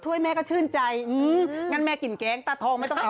แม่ก็ชื่นใจอืมงั้นแม่กินแกงตาทองไม่ต้องเอา